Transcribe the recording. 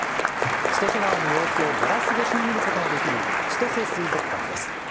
千歳川の様子をガラス越しに見ることができる千歳水族館です。